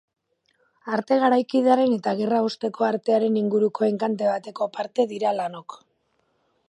Arte garaikidearen eta gerra osteko artearen inguruko enkante bateko parte dira lanok.